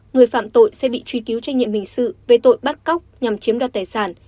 người phạm tội sẽ bị truy cứu trách nhiệm hình sự về tội bắt cóc nhằm chiếm đoạt tài sản